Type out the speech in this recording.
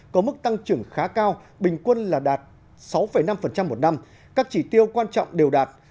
có mức tăng trưởng khá cao bình quân là đạt sáu năm một năm các chỉ tiêu quan trọng đều đạt